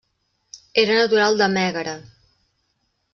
Era natural de Mègara.